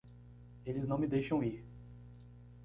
Eles não me deixam ir!